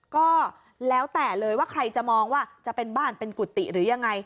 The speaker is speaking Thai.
ก็แล้วแต่เลยว่าใครจะมองว่าจะเป็นบ้านเป็นกุฏิหรือยังไง